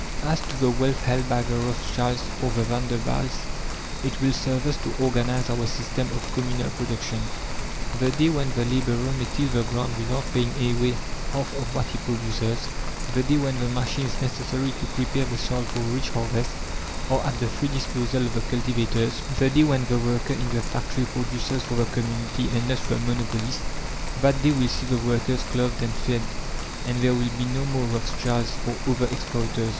As to the wealth held by the Rothschilds or the Vanderbilts, it will serve us to organize our system of communal production. The day when the labourer may till the ground without paying away half of what he produces, the day when the machines necessary to prepare the soil for rich harvests are at the free disposal of the cultivators, the day when the worker in the factory produces for the community and not the monopolist that day will see the workers clothed and fed, and there will be no more Rothschilds or other exploiters.